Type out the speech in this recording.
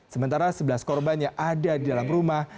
sementara sebelas korban yang ada di dalam rumah